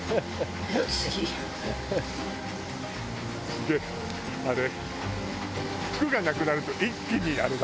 「すげえあれ」